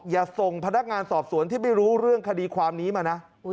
อย่าส่งพนักงานสอบสวนที่ไม่รู้เรื่องคดีความนี้มานะ